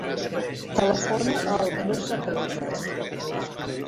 Telefona al Musa Presas.